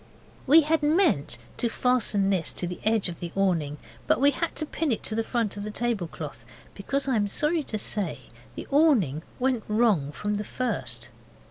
We had meant to fasten this to the edge of the awning, but we had to pin it to the front of the tablecloth, because I am sorry to say the awning went wrong from the first.